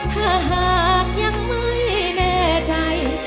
ถ้าหากยังไม่แน่ใจ